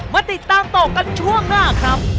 มาติดตามต่อกันช่วงหน้าครับ